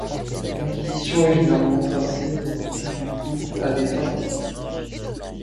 L'incision est généralement tracée dans un pli du cou, à des fins esthétiques.